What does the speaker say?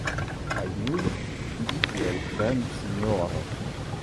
Kaj nun, vivi kiel grandsinjoro!